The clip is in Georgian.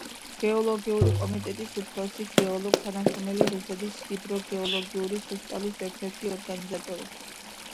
გეოლოგიური კომიტეტის უფროსი გეოლოგ თანამშრომელი, რუსეთის ჰიდროგეოლოგიური შესწავლის ერთ-ერთი ორგანიზატორი.